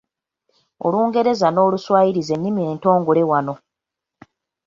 Olungereza n’Oluswayiri z’ennimi entongole wano.